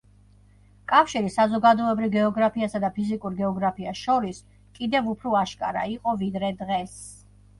კავშირი საზოგადოებრივ გეოგრაფიასა და ფიზიკურ გეოგრაფიას შორის კიდევ უფრო აშკარა იყო ვიდრე დღეს.